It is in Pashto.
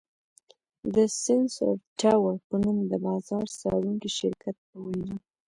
د سېنسر ټاور په نوم د بازار څارونکي شرکت په وینا